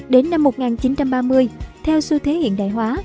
đến năm một nghìn chín trăm ba mươi theo xu thế hiện đại hóa